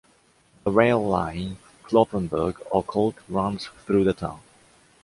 The rail line Cloppenburg–Ocholt runs through the town.